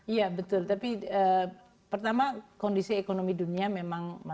iya betul tapi pertama kondisi ekonomi dunia memang